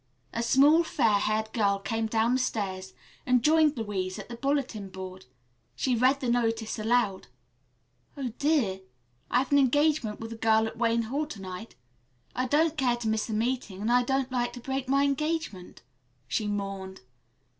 _" A small, fair haired girl came down the stairs and joined Louise at the bulletin board. She read the notice aloud. "Oh, dear, I've an engagement with a girl at Wayne Hall to night. I don't care to miss the meeting, and I don't like to break my engagement," she mourned.